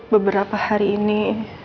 beberapa hari ini